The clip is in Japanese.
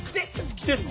きてるの？